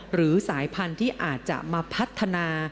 หรือสายพันธุ์ที่อาจจะมาพัฒนา